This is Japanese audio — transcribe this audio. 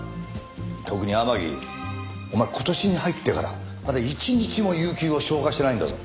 特に天樹お前今年に入ってからまだ一日も有休を消化してないんだぞ。